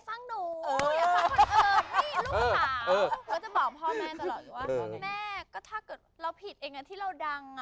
ลูกสาวก็จะบอกพ่อแม่ตลอดว่าแม่ก็ถ้าเกิดเราผิดเองที่เราดัง